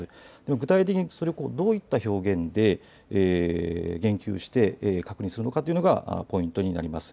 具体的にどういった表現で言及して確認するのかというのがポイントになります。